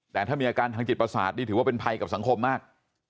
แต่ถ้ามีอาการทางจิตประสาทนี่ถือว่าเป็นภัยกับสังคมมาก